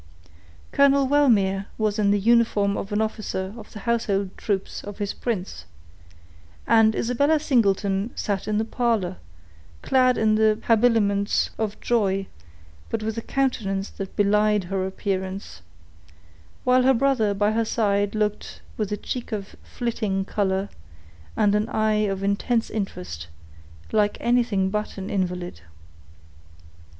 Colonel Wellmere was in the uniform of an officer of the household troops of his prince, and Isabella Singleton sat in the parlor, clad in the habiliments of joy, but with a countenance that belied her appearance; while her brother by her side looked, with a cheek of flitting color, and an eye of intense interest, like anything but an invalid.